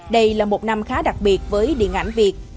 đây là một năm khá đặc biệt với điện ảnh việt